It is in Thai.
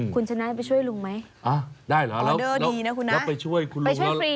คุณชนะไปช่วยลุงไหมออเดอร์ดีนะคุณนะไปช่วยฟรี